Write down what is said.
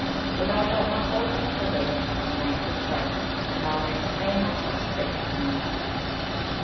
So thou shalt not go from the pavilion till the night is dark, and thou mayst feign thyself sick meantime."